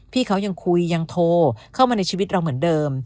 พี่เขายังคุยยังโทรเข้ามาในชีวิตเราเหมือนเดิม